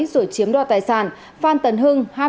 rồi chiếm đoạt tài sản phan tấn hưng